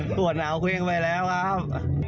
ลงไปแล้วก่อน